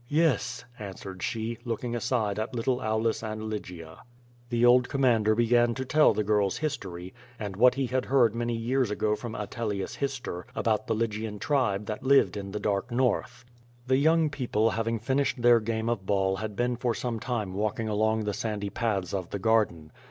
'' ^TTes," answered she, looking aside at little Aulus and Ly gia. The old commander l>egan to tell the girl's history, and what he had heard many years ago from Atelius Hister about the Lygian tribe that lived in the dark north. The young people having finished their game of ball had been for some time walking along the sandy paths of the garden.